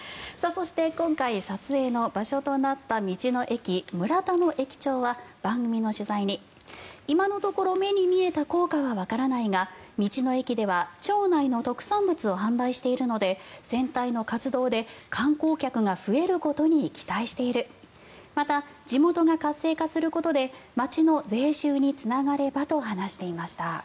そして、今回撮影の場所となった道の駅村田の駅長は、番組の取材に今のところ目に見えた効果はわからないが道の駅では町内の特産物を販売しているので戦隊の活動で観光客が増えることに期待しているまた、地元が活性化することで町の税収につながればと話していました。